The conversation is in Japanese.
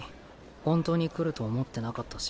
本当に来ると思ってなかったし。